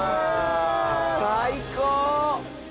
最高！